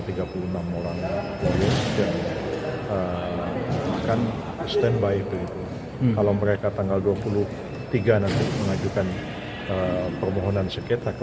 yang akan standby begitu kalau mereka tanggal dua puluh tiga nanti mengajukan permohonan sekreta ke